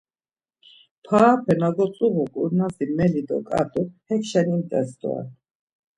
Parape na gotzuğu ǩurnazi meli do ǩat̆u hekşen imt̆es doren.